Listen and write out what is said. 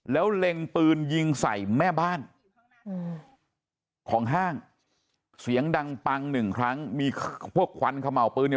แล้วเล็งปืนยิงใส่แม่บ้านของห้างเสียงดังปังหนึ่งครั้งมีพวกควันขม่าวปืนเนี่ย